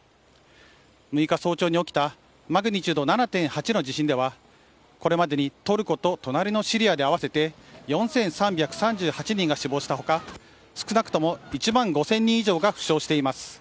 ６日早朝に起きたマグニチュード７．８の地震では、これまでにトルコと隣のシリアで合わせて４３３８人が死亡したほか、少なくとも１万５０００人以上が負傷しています。